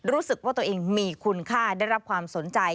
รู้สึกว่าตัวเองมีคุณค่าได้รับความสนใจ